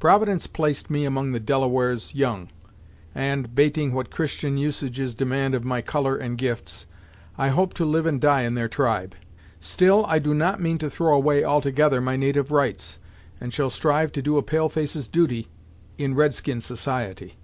Providence placed me among the Delawares young, and, 'bating what Christian usages demand of my colour and gifts, I hope to live and die in their tribe. Still I do not mean to throw away altogether my natyve rights, and shall strive to do a pale face's duty, in red skin society."